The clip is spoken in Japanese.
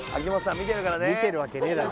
見てるわけねえだろ。